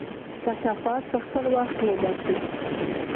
کثافات په خپل وخت وباسئ.